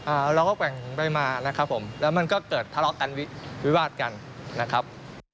เราก็แกว่งไปมานะครับผมแล้วมันก็เกิดทะเลาะกันวิวาดกันนะครับ